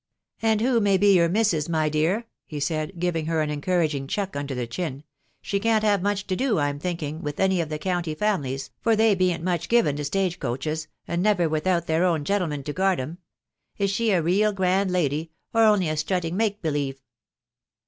<c And who may be your missus, my dear ?" he said, giving her an encouraging chuck under the chin ; u she can't have much to do, I'm thinking, with any of the county fami lies, for they bean't much given to stage coaches, and never without their own gentlemen to guard em. ... Is she a rea grand lady, or only a strutting make believe